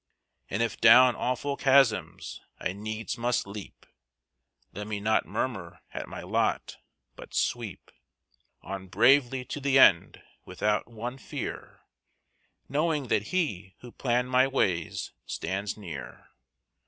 And if down awful chasms I needs must leap, Let me not murmur at my lot, but sweep On bravely to the end without one fear, Knowing that He who planned my ways stands near.